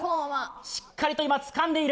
しっかりと今、つかんでいる。